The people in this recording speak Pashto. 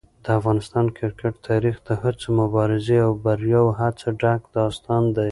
د افغانستان کرکټ تاریخ د هڅو، مبارزې او بریاوو څخه ډک داستان دی.